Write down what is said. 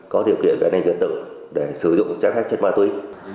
có điều kiện về nền dân tự để sử dụng grabfood ma túy